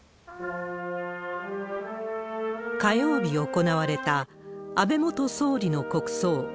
火曜日行われた、安倍元総理の国葬。